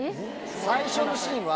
最初のシーンは。